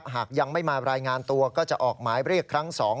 หากยังไม่มารายงานตัวก็จะออกหมายเรียกครั้ง๒